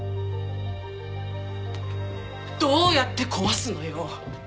どうやって壊すのよ？